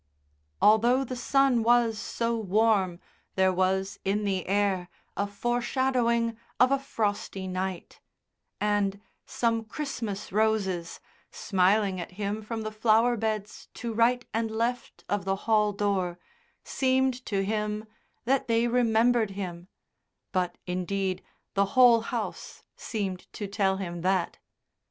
Although the sun was so warm there was in the air a foreshadowing of a frosty night; and some Christmas roses, smiling at him from the flower beds to right and left of the hall door, seemed to him that they remembered him; but, indeed, the whole house seemed to tell him that.